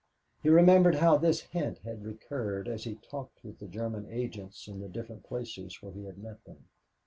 He remembered how this hint had recurred as he talked with the German agents in the different places where he had met them.